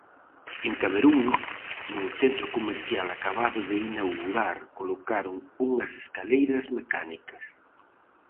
En Camerún, nun centro comercial acabado de inaugurar, colocaron unhas escaleiras mecánicas.